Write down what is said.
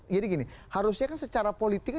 jadi gini harusnya kan secara politik